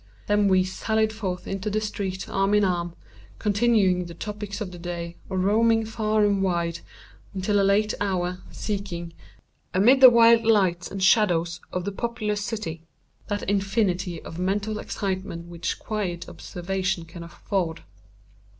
Then we sallied forth into the streets arm in arm, continuing the topics of the day, or roaming far and wide until a late hour, seeking, amid the wild lights and shadows of the populous city, that infinity of mental excitement which quiet observation can afford.